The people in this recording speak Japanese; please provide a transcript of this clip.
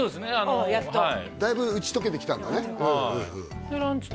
おおやっとだいぶ打ち解けてきたんだね